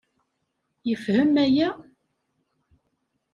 Yefhem aya?